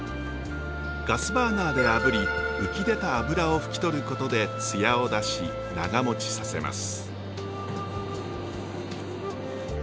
ガスバーナーで炙り浮き出た油を拭きとることで艶を出し長もちさせます。